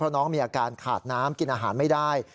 น้องมีอาการขาดน้ำกินอาหารไม่ได้